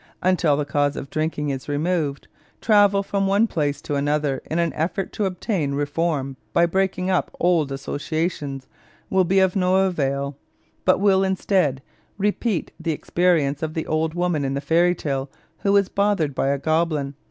Until the cause of drinking is removed, travel from one place to another in an effort to obtain reform by breaking up old associations will be of no avail, but will, instead, repeat the experience of the old woman in the fairy tale who was bothered by a goblin.